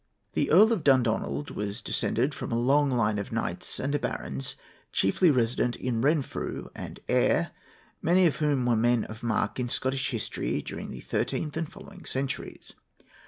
The Earl of Dundonald was descended from a long line of knights and barons, chiefly resident in Renfrew and Ayr, many of whom were men of mark in Scottish history during the thirteenth and following centuries.